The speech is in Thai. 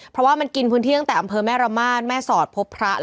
เพราะว่ามันกินพื้นที่ตั้งแต่อำเภอแม่ระมาทแม่สอดพบพระ